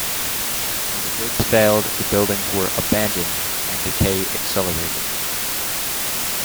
When the bids failed the buildings were abandoned and decay accelerated.